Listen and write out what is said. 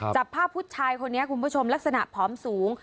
จับภาพผู้ชายคนนี้คุณผู้ชมลักษณะผอมสูง